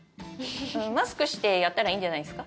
マスクしてやったらいいんじゃないですか？